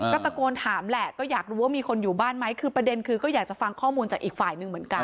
ก็ตะโกนถามแหละก็อยากรู้ว่ามีคนอยู่บ้านไหมคือประเด็นคือก็อยากจะฟังข้อมูลจากอีกฝ่ายหนึ่งเหมือนกัน